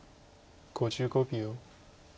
５５秒。